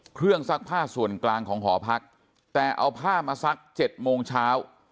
เครื่องซักผ้าส่วนกลางของหอพักแต่เอาผ้ามาซักเจ็ดโมงเช้า